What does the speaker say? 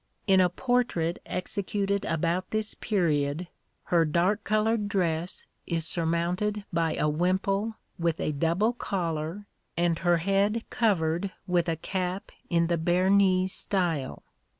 In a portrait executed about this period, her dark coloured dress is surmounted by a wimple with a double collar and her head covered with a cap in the Bearnese style.